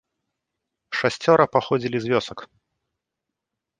Шасцёра паходзілі з вёсак.